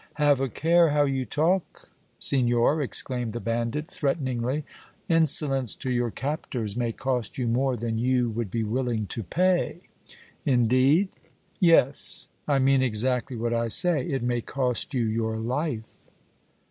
"Have a care how you talk, signor!" exclaimed the bandit, threateningly. "Insolence to your captors may cost you more than you would be willing to pay!" "Indeed?" "Yes; I mean exactly what I say. It may cost you your life!"